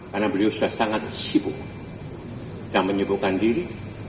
karena beliau sudah sangat sibuk dan menyibukkan diri